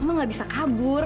mama tidak bisa kabur